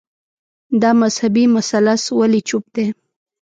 دا مذهبي مثلث ولي چوپ دی